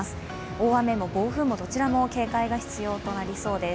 大雨も暴風もどちらも警戒が必要となりそうです。